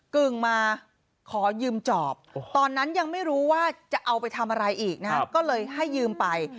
กึ่งมาขอยืมจอบตอนนั้นยังไม่รู้ว่าจะเอาไปทำอะไรอีกนะก็เลยให้ยืมไป